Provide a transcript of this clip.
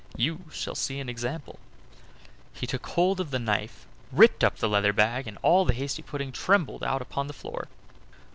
You shall see an example." He then took hold of the knife, ripped up the leathern bag, and all the hasty pudding tumbled out upon the floor.